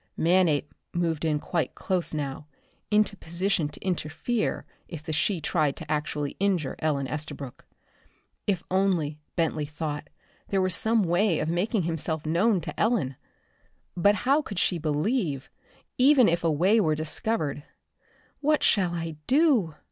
Manape moved in quite close now, into position to interfere if the she tried to actually injure Ellen Estabrook. If only, Bentley thought, there were some way of making himself known to Ellen! But how could she believe, even if a way were discovered? "What shall I do?"